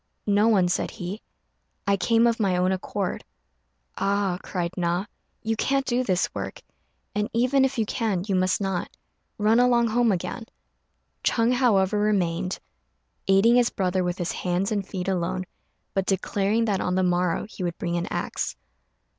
"No one," said he; "I came of my own accord." "Ah," cried Na, "you can't do this work; and even if you can you must not. Run along home again." Ch'êng, however, remained, aiding his brother with his hands and feet alone, but declaring that on the morrow he would bring an axe.